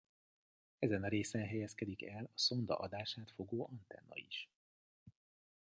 Ezen a részen helyezkedik el a szonda adását fogó antenna is.